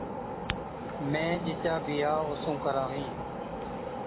مين جِچا بِيها اوسُونچ ڪراوهِين‘۔